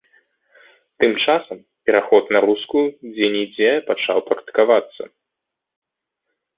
Тым часам пераход на рускую дзе-нідзе пачаў практыкавацца.